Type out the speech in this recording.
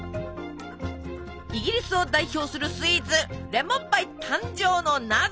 イギリスを代表するスイーツレモンパイ誕生の謎。